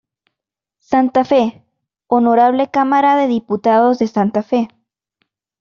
Santa Fe: Honorable Cámara de Diputados de Santa Fe.